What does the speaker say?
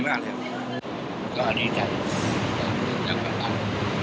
มากครับหน้าในกลังงาน